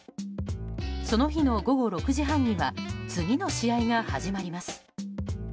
その日の午後６時半には次の試合が始まります。